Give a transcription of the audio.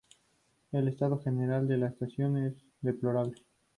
El estado general de la estación es deplorable.